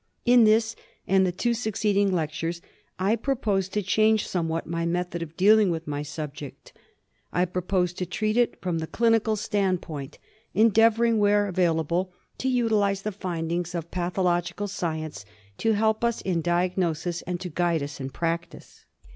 * In this and the two succeeding lectures I propose to change somewhat my method of dealing with my subject. I propose to treat it from the clinical standpoint, 150 DIAGNOSIS OF TROPICAL FEVERS. endeavouring, where available, to utilise the findings of pathological science to help us in diagnosis and to guide us in practice.